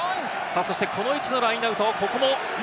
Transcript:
この位置のラインアウト。